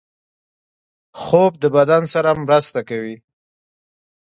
خوب د بدن سره مرسته کوي